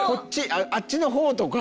あっちのほうとか。